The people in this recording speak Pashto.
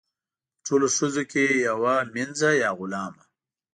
په ټولو ښځو کې یوه وینځه یا غلامه.